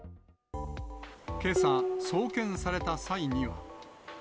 けさ、送検された際には。